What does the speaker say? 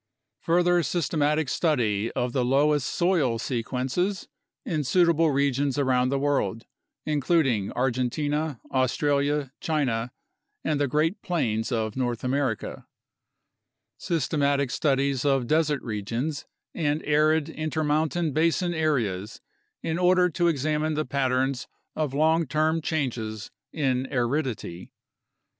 Further systematic study of the loess soil sequences in suitable regions around the world, including Argentina, Australia, China, and the Great Plains of North America. Systematic studies of desert regions and arid intermountain basin 72 UNDERSTANDING CLIMATIC CHANGE areas in order to examine the patterns of long term changes in aridity.